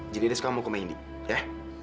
jadi edo suka mau ke rumah indi ya